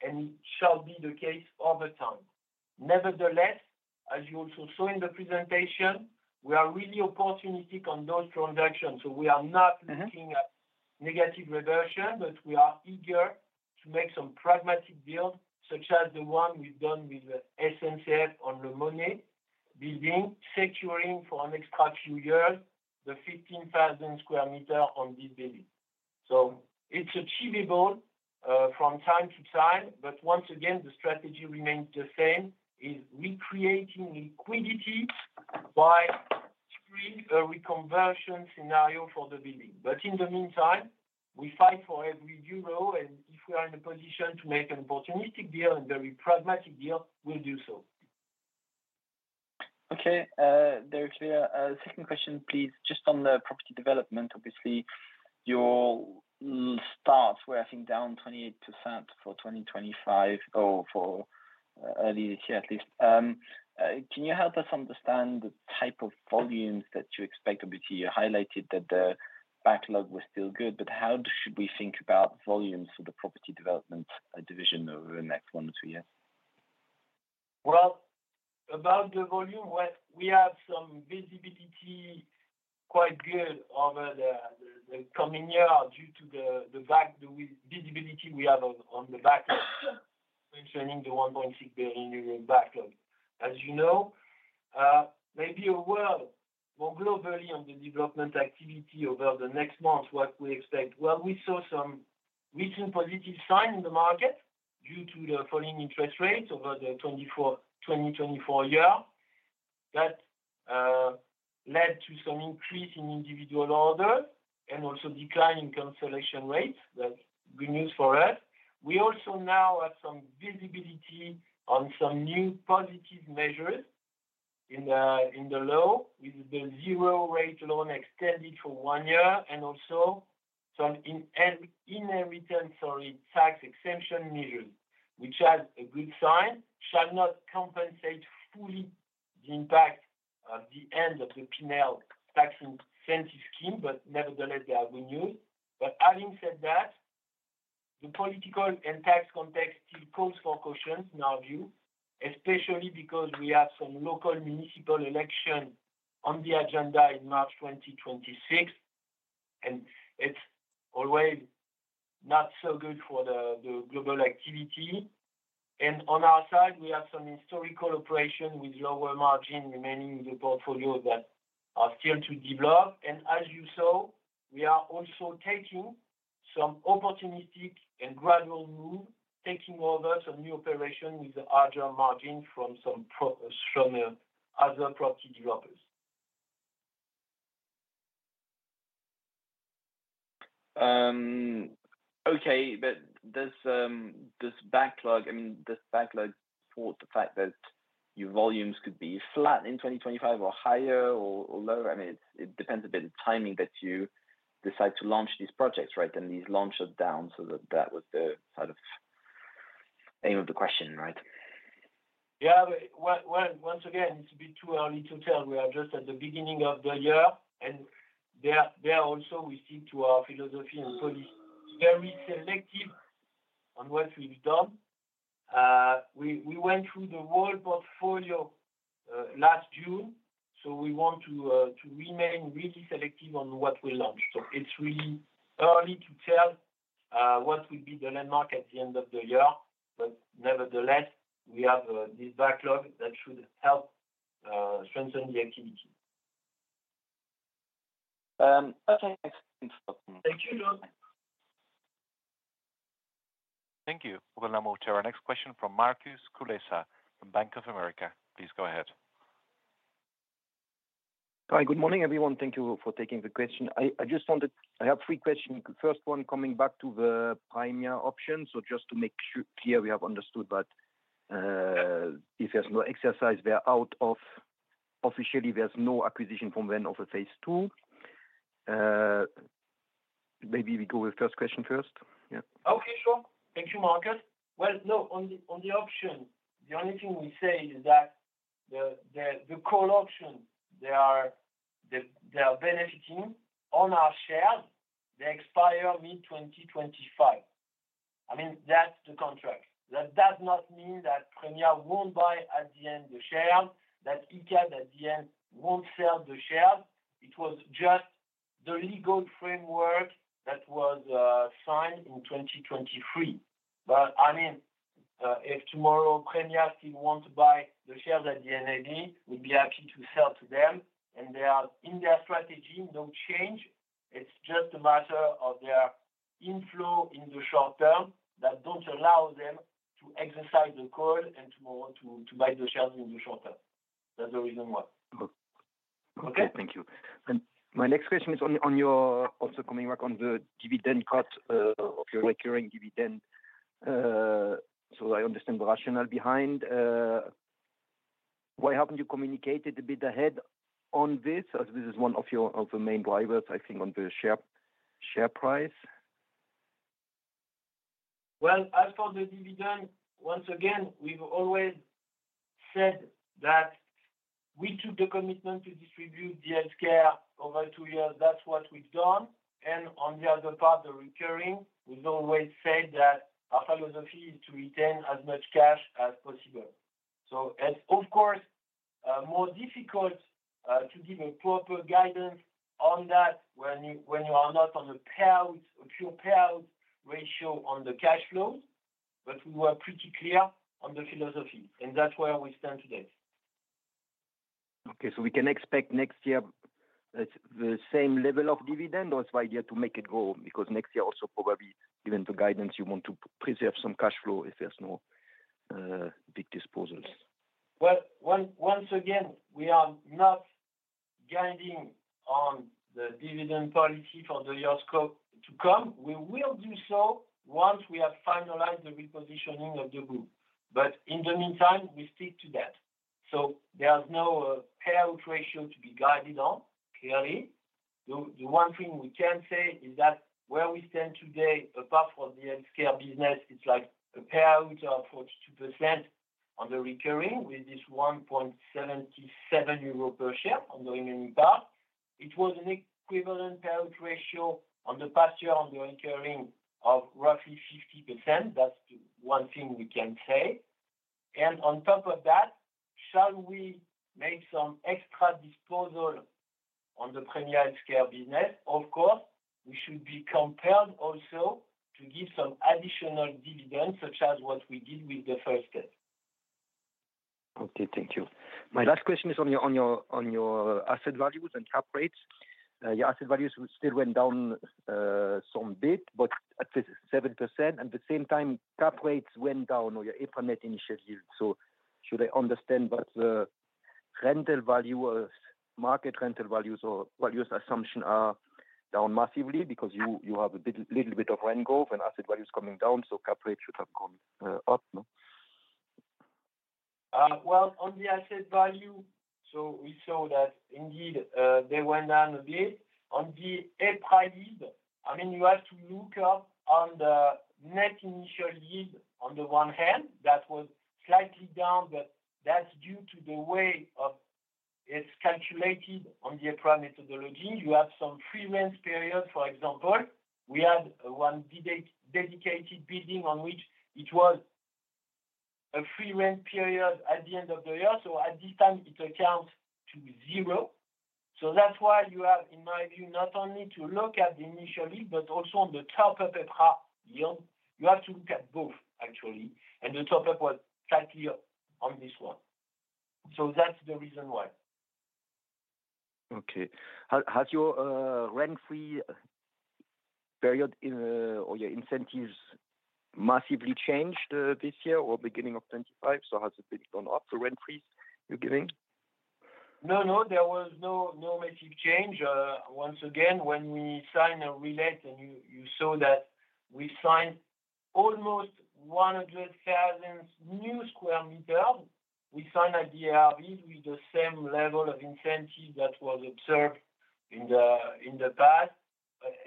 and it shall be the case over time. Nevertheless, as you also saw in the presentation, we are really opportunistic on those transactions. We are not looking at negative reversion, but we are eager to make some pragmatic deals, such as the one we've done with SNCF on Le Monet building, securing for an extra few years the 15,000 square meters on this building. It's achievable from time to time, but once again, the strategy remains the same: recreating liquidity by creating a reconversion scenario for the building. But in the meantime, we fight for every euro, and if we are in a position to make an opportunistic deal and very pragmatic deal, we'll do so. Okay. Darius Wheeler, second question, please. Just on the property development, obviously, your start, we're I think down 28% for 2025 or for early this year at least. Can you help us understand the type of volumes that you expect? Obviously, you highlighted that the backlog was still good, but how should we think about volumes for the property development division over the next one or two years? About the volume, we have some visibility quite good over the coming year due to the visibility we have on the backlog, mentioning the 1.6 billion euro backlog. As you know, maybe a word more globally on the development activity over the next month, what we expect. We saw some recent positive signs in the market due to the falling interest rates over the 2024 year. That led to some increase in individual orders and also declining consolidation rates. That's good news for us. We also now have some visibility on some new positive measures in the law with the zero rate loan extended for one year and also some inheritance, sorry, tax exemption measures, which are a good sign, shall not compensate fully the impact of the end of the Pinel tax incentive scheme, but nevertheless, they are good news. But having said that, the political and tax context still calls for caution in our view, especially because we have some local municipal elections on the agenda in March 2026, and it's always not so good for the global activity. On our side, we have some historical operations with lower margin remaining in the portfolios that are still to develop. As you saw, we are also taking some opportunistic and gradual move, taking over some new operations with the larger margin from other property developers. Okay. But this backlog, I mean, this backlog. Support the fact that your volumes could be flat in 2025 or higher or lower? I mean, it depends a bit on the timing that you decide to launch these projects, right, and these launches down. So that was the sort of aim of the question, right? Yeah. Once again, it's a bit too early to tell. We are just at the beginning of the year. There also, we stick to our philosophy and policy very selective on what we've done. We went through the whole portfolio last June, so we want to remain really selective on what we launch. So it's really early to tell what would be the landmark at the end of the year, but nevertheless, we have this backlog that should help strengthen the activity. Okay. Thank you, John. Thank you. We will now move to our next question from Marc Mozzi from Bank of America. Please go ahead. Hi. Good morning, everyone. Thank you for taking the question. I just wanted. I have three questions. The first one coming back to the primary option. So just to make sure clear we have understood that if there's no exercise, we're out of officially, there's no acquisition from them of a phase two. Maybe we go with first question first. Yeah. Okay. Sure. Thank you, Marcus. Well, no, on the option, the only thing we say is that the call options, they are benefiting on our shares. They expire mid-2025. I mean, that's the contract. That does not mean that Primonial won't buy at the end the shares, that Icade at the end won't sell the shares. It was just the legal framework that was signed in 2023. But I mean, if tomorrow Primonial still wants to buy the shares at the NAV, we'd be happy to sell to them. And they are in their strategy, no change. It's just a matter of their inflow in the short term that don't allow them to exercise the call and tomorrow to buy the shares in the short term. That's the reason why. Okay. Thank you. And my next question is on your also coming back on the dividend cut of your recurring dividend. So, I understand the rationale behind. Why haven't you communicated a bit ahead on this? This is one of the main drivers, I think, on the share price. Well, as for the dividend, once again, we've always said that we took the commitment to distribute the healthcare over two years. That's what we've done. And on the other part, the recurring, we've always said that our philosophy is to retain as much cash as possible. So it's, of course, more difficult to give a proper guidance on that when you are not on a pure payout ratio on the cash flows, but we were pretty clear on the philosophy. And that's where we stand today. Okay. So we can expect next year the same level of dividend or it's ideal to make it go because next year also probably given the guidance, you want to preserve some cash flow if there's no big disposals. Well, once again, we are not guiding on the dividend policy for the years to come. We will do so once we have finalized the repositioning of the group. But in the meantime, we stick to that. So there's no payout ratio to be guided on clearly. The one thing we can say is that where we stand today, apart from the healthcare business, it's like a payout of 42% on the recurring with this 1.77 euro per share on the remaining part. It was an equivalent payout ratio on the past year on the recurring of roughly 50%. That's one thing we can say. On top of that, shall we make some extra disposal on the Premier healthcare business? Of course, we should be compelled also to give some additional dividends, such as what we did with the first step. Okay. Thank you. My last question is on your asset values and cap rates. Your asset values still went down some bit, but at least 7%. At the same time, cap rates went down or your EPRA net initial. Should I understand that the rental value, market rental values or values assumption are down massively because you have a little bit of rent growth and asset values coming down, so cap rates should have gone up? On the asset value, so we saw that indeed they went down a bit. On the EPRA yield, I mean, you have to look up on the net initial yield on the one hand. That was slightly down, but that's due to the way it's calculated on the EPRA methodology. You have some rent-free period, for example. We had one dedicated building on which it was a rent-free period at the end of the year. So at this time, it amounts to zero. So that's why you have, in my view, not only to look at the initial yield, but also on the top-up EPRA yield. You have to look at both, actually, and the top-up was slightly up on this one, so that's the reason why. Okay. Has your rent-free period or your incentives massively changed this year or beginning of 2025? So has it gone up, the rent-frees you're giving? No, no. There was no massive change. Once again, when we signed a lease, and you saw that we signed almost 100,000 new square meters. We signed at the NAV with the same level of incentive that was observed in the past,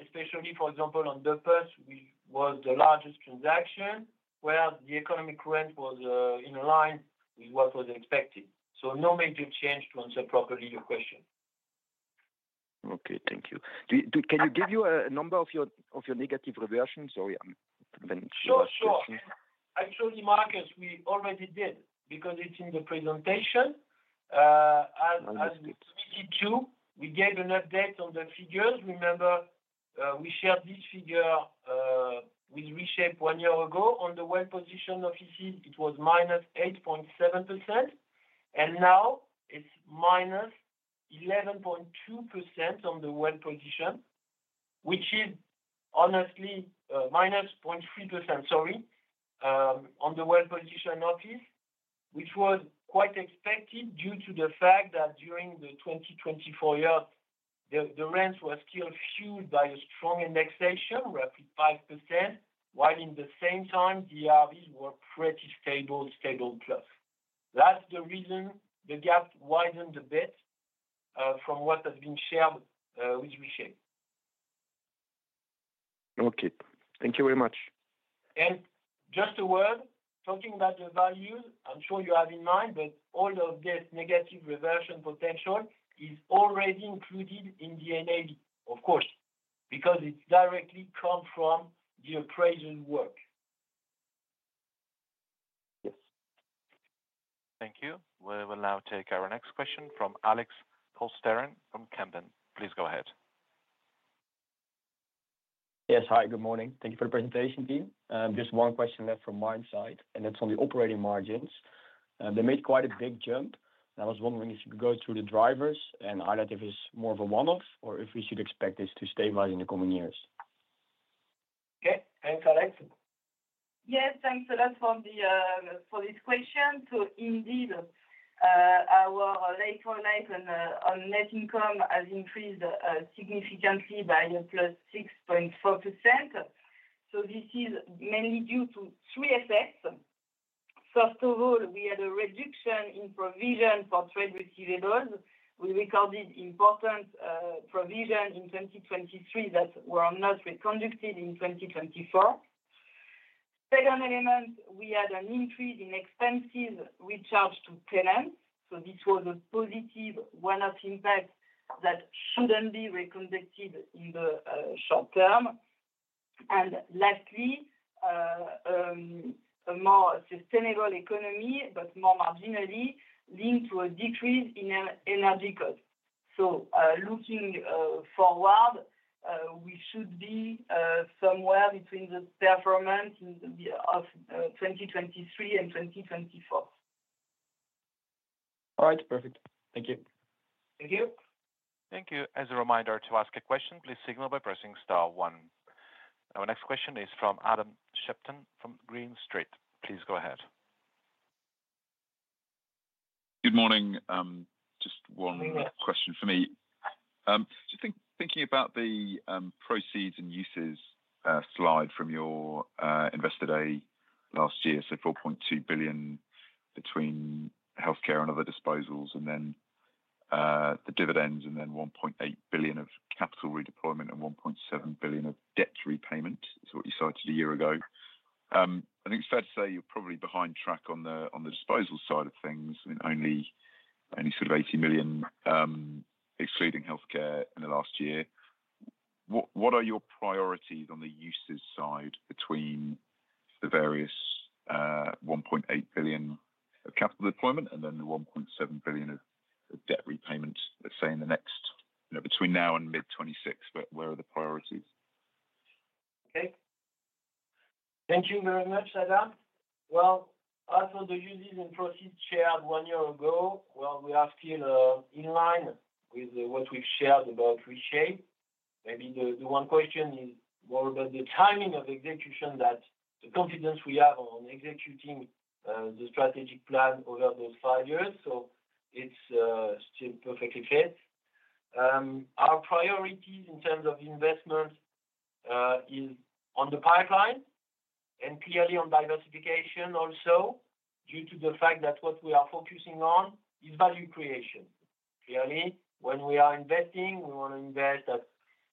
especially, for example, on the Pulse, which was the largest transaction, where the economic rent was in line with what was expected. So no major change to answer properly your question. Okay. Thank you. Can you give you a number of your negative reversions? Sorry, I'm not sure. Sure, sure. Actually, Marc, we already did because it's in the presentation. As we did too, we gave an update on the figures. Remember, we shared this figure with Reshape one year ago. On the well-positioned offices, it was -8.7%. Now it's minus 11.2% on the well-positioned, which is honestly minus 0.3%, sorry, on the well-positioned office, which was quite expected due to the fact that during the 2024 year, the rents were still fueled by a strong indexation, roughly 5%, while in the same time, the RVs were pretty stable, stable plus. That's the reason the gap widened a bit from what has been shared with Reshape. Okay. Thank you very much. Just a word, talking about the values, I'm sure you have in mind, but all of this negative reversion potential is already included in the NAV, of course, because it directly comes from the appraisal work. Yes. Thank you. We will now take our next question from Alex Holst from Kempen. Please go ahead. Yes. Hi. Good morning. Thank you for the presentation, Dean. Just one question left from my side, and it's on the operating margins. They made quite a big jump. I was wondering if you could go through the drivers and highlight if it's more of a one-off or if we should expect this to stabilize in the coming years. Okay. Thanks, Alex. Yes. Thanks a lot for this question. So indeed, our recurring net income has increased significantly by 6.4%. So this is mainly due to three effects. First of all, we had a reduction in provision for trade receivables. We recorded important provisions in 2023 that were not repeated in 2024. Second element, we had an increase in expenses recharged to tenants. So this was a positive one-off impact that shouldn't be repeated in the short term. And lastly, a more sustainable effect, but more marginally, linked to a decrease in energy costs. So looking forward, we should be somewhere between the performance of 2023 and 2024. All right. Perfect. Thank you. Thank you. Thank you. As a reminder, to ask a question, please signal by pressing star one. Our next question is from Adam Shapton from Green Street. Please go ahead. Good morning. Just one question for me. Just thinking about the proceeds and uses slide from your investor day last year, so 4.2 billion between healthcare and other disposals, and then the dividends, and then 1.8 billion of capital redeployment and 1.7 billion of debt repayment is what you cited a year ago. I think it's fair to say you're probably behind track on the disposal side of things, only sort of 80 million, excluding healthcare in the last year. What are your priorities on the uses side between the various 1.8 billion of capital deployment and then the 1.7 billion of debt repayment, say, in the next between now and mid-2026? Where are the priorities? Okay. Thank you very much, Adam. Well, as for the uses and proceeds shared one year ago, well, we are still in line with what we've shared about Reshape. Maybe the one question is more about the timing of execution, that the confidence we have on executing the strategic plan over those five years. So it's still perfectly fit. Our priorities in terms of investment is on the pipeline and clearly on diversification also due to the fact that what we are focusing on is value creation. Clearly, when we are investing, we want to invest at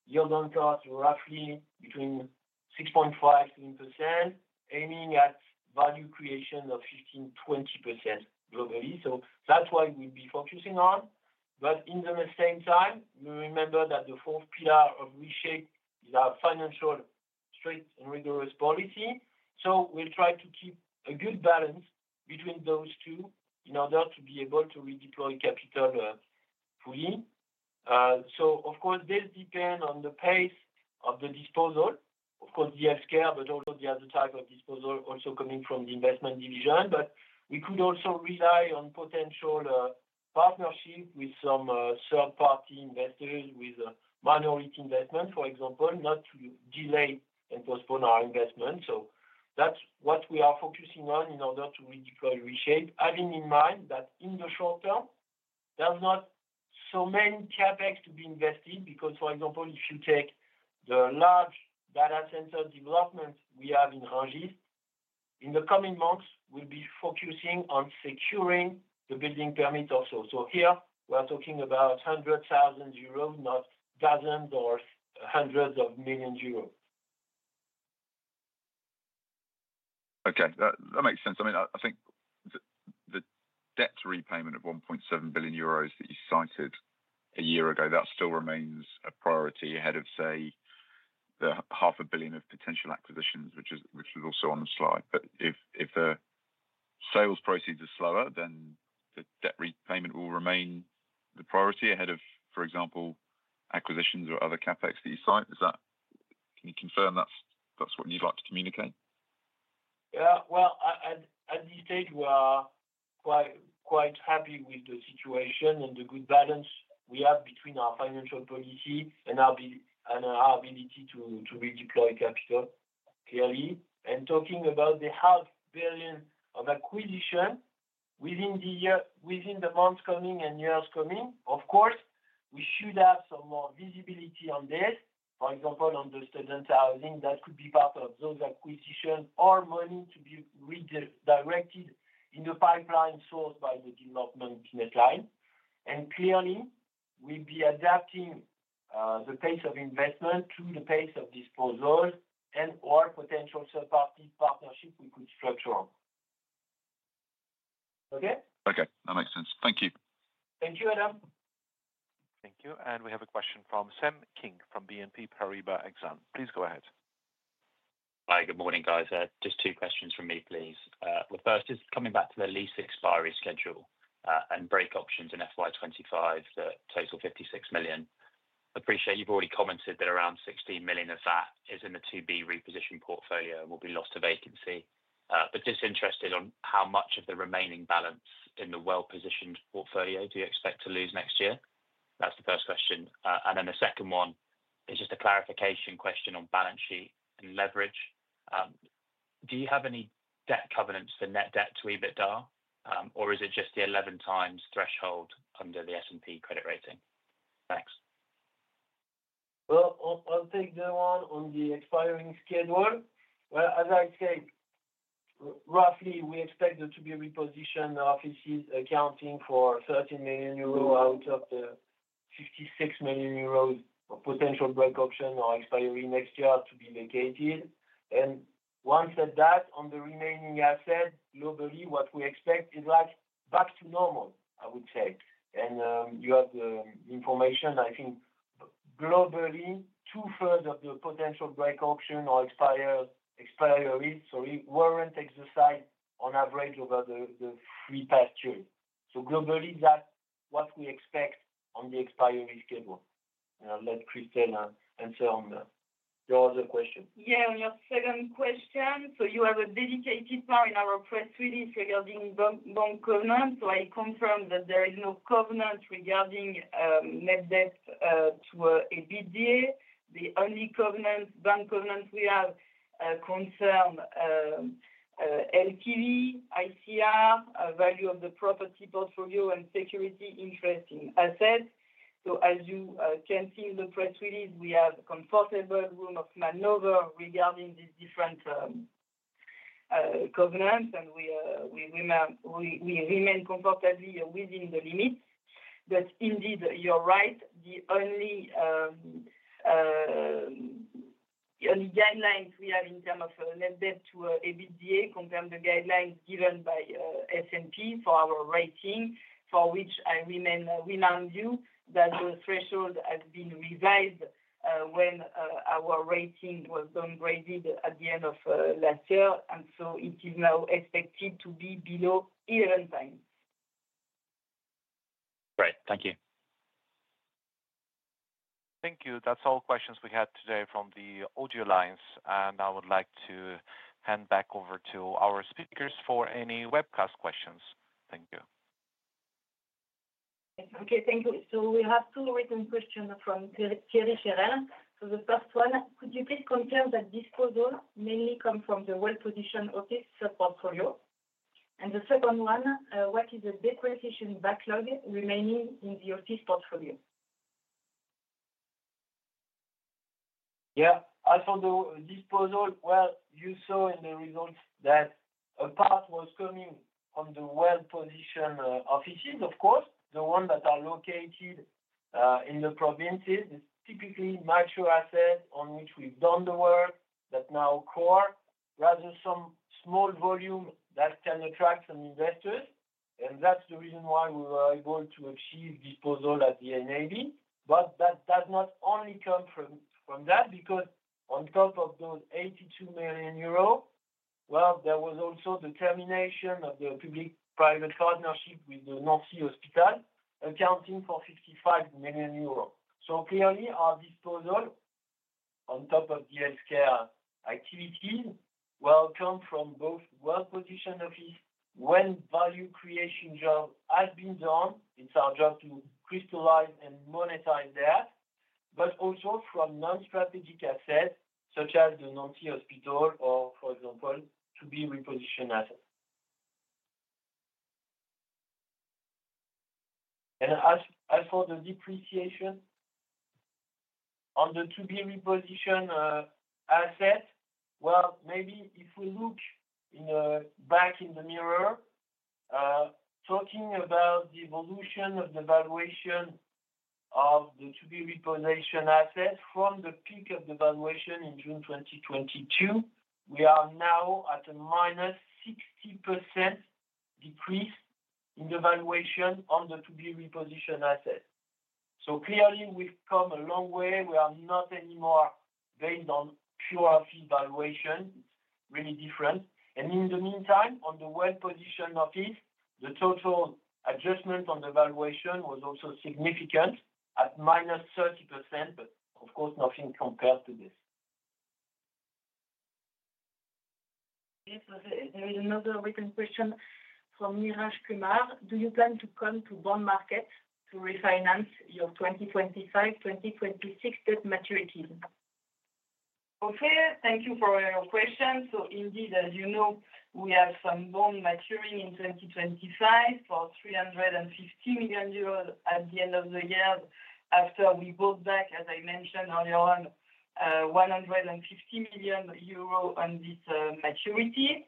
yield on cost roughly between 6.5%-1%, aiming at value creation of 15%-20% globally. So that's what we'll be focusing on. But at the same time, we remember that the fourth pillar of Reshape is our financial straight and rigorous policy. So we'll try to keep a good balance between those two in order to be able to redeploy capital fully. So, of course, this depends on the pace of the disposal. Of course, the healthcare, but also the other type of disposal also coming from the investment division. But we could also rely on potential partnership with some third-party investors with minority investment, for example, not to delay and postpone our investment. That's what we are focusing on in order to redeploy Reshape, having in mind that in the short term, there's not so many CapEx to be invested because, for example, if you take the large data center development we have in Rungis, in the coming months, we'll be focusing on securing the building permit also. So here, we're talking about hundreds of thousands of euros, not dozens or hundreds of millions of euros. Okay. That makes sense. I mean, I think the debt repayment of 1.7 billion euros that you cited a year ago, that still remains a priority ahead of, say, 500 million of potential acquisitions, which was also on the slide. But if the sales proceeds are slower, then the debt repayment will remain the priority ahead of, for example, acquisitions or other CapEx that you cite. Can you confirm that's what you'd like to communicate? Yeah. Well, at this stage, we are quite happy with the situation and the good balance we have between our financial policy and our ability to redeploy capital clearly. And talking about the €500 million of acquisition within the months coming and years coming, of course, we should have some more visibility on this. For example, on the student housing, that could be part of those acquisitions or money to be redirected in the pipeline sourced by the development deadline. And clearly, we'll be adapting the pace of investment to the pace of disposal and/or potential third-party partnership we could structure on. Okay? Okay. That makes sense. Thank you. Thank you, Adam. Thank you. And we have a question from Sam King from BNP Paribas Exane. Please go ahead. Hi. Good morning, guys. Just two questions from me, please. The first is coming back to the lease expiry schedule and break options in FY25 that total €56 million. I appreciate you've already commented that around €16 million of that is in the 2B reposition portfolio and will be lost to vacancy. But just interested on how much of the remaining balance in the well-positioned portfolio do you expect to lose next year? That's the first question, and then the second one is just a clarification question on balance sheet and leverage. Do you have any debt covenants for net debt to EBITDA, or is it just the 11 times threshold under the S&P credit rating? Thanks. I'll take the one on the expiring schedule. As I said, roughly, we expect there to be repositioned offices accounting for €13 million out of the €56 million of potential break option or expiry next year to be vacated. And once at that, on the remaining assets, globally, what we expect is back to normal, I would say. And you have the information, I think, globally, two-thirds of the potential break option or expiry, sorry, weren't exercised on average over the three past years. So globally, that's what we expect on the expiry schedule. And I'll let Christelle answer on the other question. Yeah. On your second question, so you have a dedicated part in our press release regarding bank covenants. So I confirm that there is no covenant regarding net debt to EBITDA. The only bank covenants we have concern LTV, ICR, value of the property portfolio, and security interest in assets. So as you can see in the press release, we have a comfortable room of maneuver regarding these different covenants, and we remain comfortably within the limits. But indeed, you're right. The only guidelines we have in terms of net debt to EBITDA compared to the guidelines given by S&P for our rating, for which I remind you that the threshold has been revised when our rating was downgraded at the end of last year. And so it is now expected to be below 11 times. Great. Thank you. Thank you. That's all questions we had today from the audio lines. And I would like to hand back over to our speakers for any webcast questions. Thank you. Okay. Thank you. So we have two written questions from Thierry Cherel. So the first one, could you please confirm that disposal mainly comes from the well-positioned office portfolio? And the second one, what is the depreciation backlog remaining in the office portfolio? Yeah. As for the disposal, well, you saw in the results that a part was coming from the well-positioned offices, of course. The ones that are located in the provinces is typically micro assets on which we've done the work that now core, rather some small volume that can attract some investors, and that's the reason why we were able to achieve disposal at the NAV, that does not only come from that because on top of those €82 million, well, there was also the termination of the public-private partnership with the Saint-Nazaire Hospital accounting for €55 million. Clearly, our disposal on top of the healthcare activities will come from both well-positioned offices where value creation jobs have been done. It's our job to crystallize and monetize that, but also from non-strategic assets such as the Saint-Nazaire Hospital or, for example, to-be repositioned assets. As for the depreciation on the 2B repositioned asset, well, maybe if we look back in the mirror, talking about the evolution of the valuation of the 2B repositioned assets from the peak of the valuation in June 2022, we are now at a minus 60% decrease in the valuation on the 2B repositioned assets. So clearly, we've come a long way. We are not anymore based on pure office valuation. It's really different. And in the meantime, on the well-positioned office, the total adjustment on the valuation was also significant at minus 30%, but of course, nothing compared to this. There is another written question from Neeraj Kumar. Do you plan to come to bond markets to refinance your 2025-2026 debt maturities? Okay. Thank you for your question. So indeed, as you know, we have some bond maturing in 2025 for 350 million euros at the end of the year after we bought back, as I mentioned earlier on, 150 million euros on this maturity.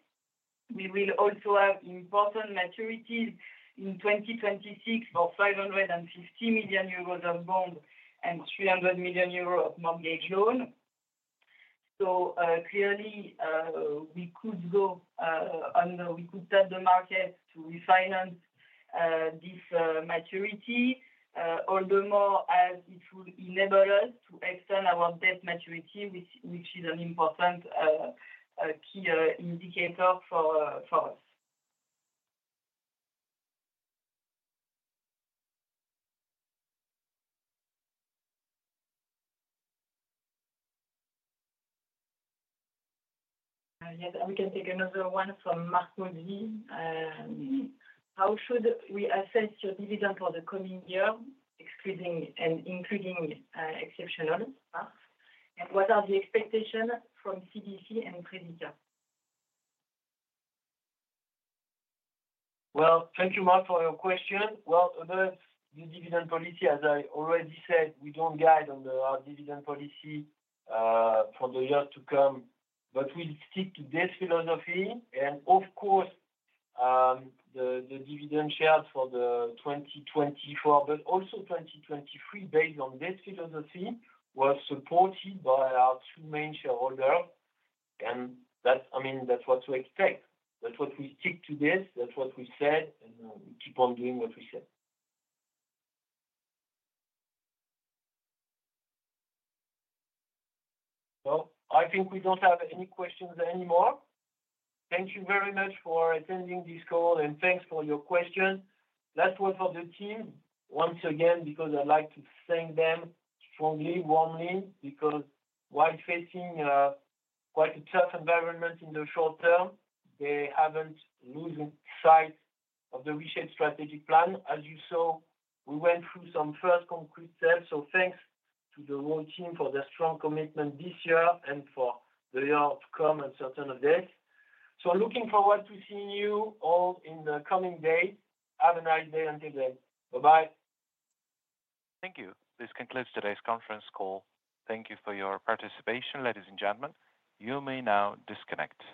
We will also have important maturities in 2026 for 550 million euros of bond and 300 million euros of mortgage loan. So clearly, we could go under. We could tap the market to refinance this maturity, all the more as it will enable us to extend our debt maturity, which is an important key indicator for us. Yes. And we can take another one from Marc Mozzi. How should we assess your dividend for the coming year, excluding and including exceptional parts? And what are the expectations from CDC and Predica? Well, thank you, Marco, for your question. The dividend policy, as I already said, we don't guide on our dividend policy for the year to come, but we stick to this philosophy. Of course, the dividend shares for 2024, but also 2023, based on this philosophy, were supported by our two main shareholders. I mean, that's what we expect. That's what we stick to this. That's what we said, and we keep on doing what we said. I think we don't have any questions anymore. Thank you very much for attending this call, and thanks for your questions. Last word for the team, once again, because I'd like to thank them strongly, warmly, because while facing quite a tough environment in the short term, they haven't lost sight of the Reshape strategic plan. As you saw, we went through some first concrete steps. So, thanks to the whole team for the strong commitment this year and for the year to come and certain of this. So, looking forward to seeing you all in the coming days. Have a nice day until then. Bye-bye. Thank you. This concludes today's conference call. Thank you for your participation, ladies and gentlemen. You may now disconnect.